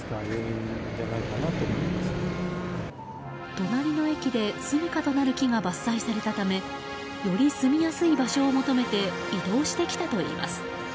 隣の駅で、すみかとなる木が伐採されたためより、すみやすい場所を求めて移動してきたといいます。